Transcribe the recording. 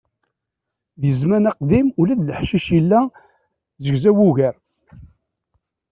Di zzman aqdim, ula d leḥcic yella zegzaw ugar.